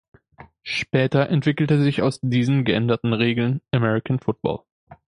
Später entwickelte sich aus diesen geänderten Regeln American Football.